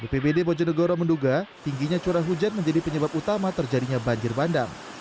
bpbd bojonegoro menduga tingginya curah hujan menjadi penyebab utama terjadinya banjir bandang